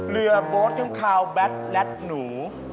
เรือโบ๊ทน้ำคาวแบตแลตหนู